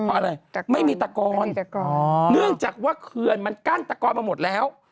เพราะอะไรไม่มีตะกอนเนื่องจากว่าเขื่อนมันกั้นตะกอนมาหมดแล้ว